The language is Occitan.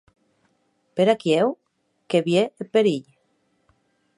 Per aquiu que vie eth perilh.